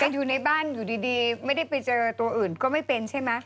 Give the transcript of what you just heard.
แต่อยู่ในบ้านอยู่ดีไม่ได้ไปเจอตัวอื่นก็ไม่เป็นใช่ไหม